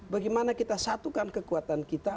bagaimana kita satukan kekuatan kita